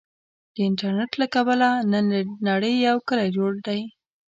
د انټرنټ له برکته، نن له نړې یو کلی جوړ دی.